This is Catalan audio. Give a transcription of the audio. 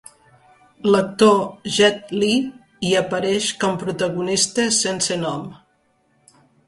L'actor Jet Li hi apareix com protagonista sense nom.